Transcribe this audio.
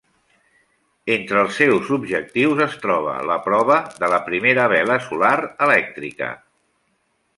Entre els seus objectius es troba la prova de la primera vela solar elèctrica.